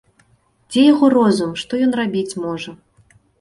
Дзе яго розум, што ён рабіць можа?